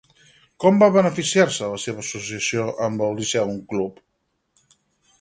Com va beneficiar-se de la seva associació amb el Lyceum Club?